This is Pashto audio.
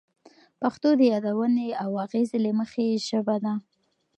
پښتو د یادونې او اغیزې له مخې ژبه ده.